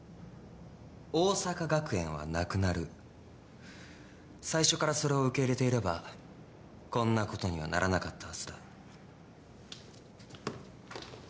桜咲学園はなくなる最初からそれを受け入れていればこんなことにはならなかったはずだ。